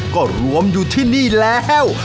ก็รวมอยู่ที่นี่แล้ว